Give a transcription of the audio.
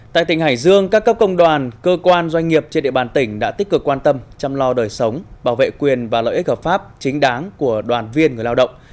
tại tỉnh hải dương các cấp công đoàn cơ quan doanh nghiệp trên địa bàn tỉnh đã tích cực quan tâm chăm lo đời sống bảo vệ quyền và lợi ích hợp pháp chính đáng của đoàn viên người lao động